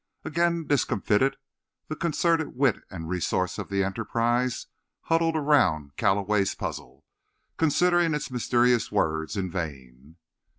Again discomfited, the concerted wit and resource of the Enterprise huddled around Calloway's puzzle, considering its mysterious words in vain.